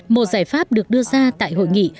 một giải pháp được đưa ra tại hội nghị